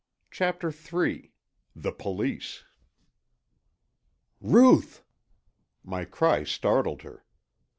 CHAPTER III THE POLICE "Ruth!" My cry startled her.